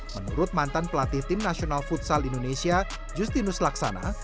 menurut mantan pelatih tim nasional futsal indonesia justinus laksana